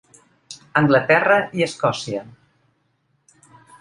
Anglaterra i Escòcia.